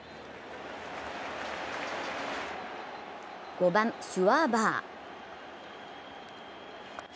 ５番・シュワーバー。